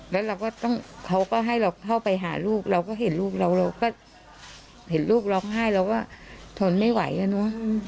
แล้วเราก็ต้องเขาก็ให้เราเข้าไปหาลูกเราก็เห็นลูกเราเราก็เห็นลูกร้องไห้เราก็ทนไม่ไหวอ่ะเนอะ